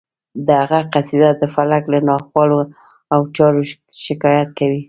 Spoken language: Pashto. د هغه قصیده د فلک له ناخوالو او چارو شکایت کوي